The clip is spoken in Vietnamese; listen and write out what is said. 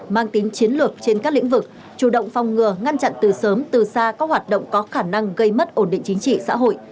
mang tính chiến lược trên các lĩnh vực chủ động phòng ngừa ngăn chặn từ sớm từ xa các hoạt động có khả năng gây mất ổn định chính trị xã hội